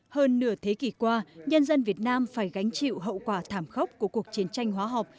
hơn nửa thế kỷ qua nhân dân việt nam phải gánh chịu hậu quả thảm khốc của cuộc chiến tranh hóa học